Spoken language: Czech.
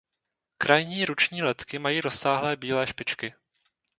Krajní ruční letky mají rozsáhlé bílé špičky.